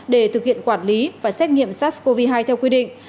để thực hiện quản lý và xét nghiệm sars cov hai theo quy định